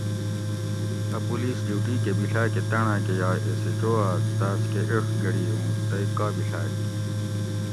اۤ پولیس ڈیوٹی کہۤ بیڷاکہۤ تانڑاۤ کہۤ یائ ایس ایچ او اۤ تاۤس کہ ایڄ گڑی اُوں تئ کا بیڷاک کیر؟